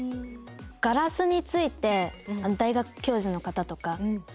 ガラスについて大学教授の方とか皆さん